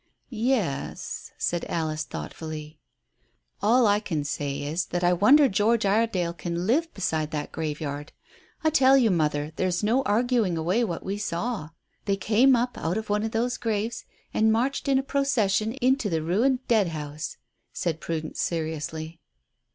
"Ye es," said Alice thoughtfully. "All I can say is, that I wonder George Iredale can live beside that graveyard. I tell you, mother, there's no arguing away what we saw. They came up out of one of those graves and marched in a procession into the ruined dead house," said Prudence seriously.